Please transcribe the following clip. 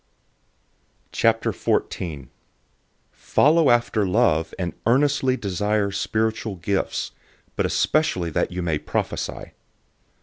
014:001 Follow after love, and earnestly desire spiritual gifts, but especially that you may prophesy.